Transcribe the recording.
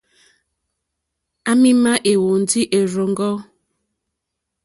À mì má ɛ̀hwɔ̀ndí ɛ́rzɔ́ŋɔ́.